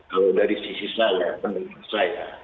kalau dari sisi saya